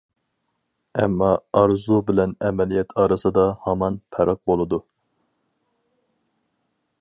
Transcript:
ئەمما، ئارزۇ بىلەن ئەمەلىيەت ئارىسىدا ھامان پەرق بولىدۇ.